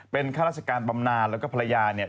เป็นข้าราชการบำนานแล้วก็ภรรยาเนี่ย